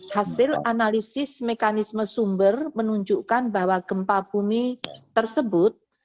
hasil analisis mekanisme sumber menunjukkan bahwa gempa bumi tersebut